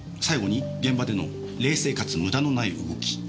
最後に現場での冷静かつ無駄のない動き。